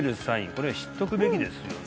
これは知っとくべきですよね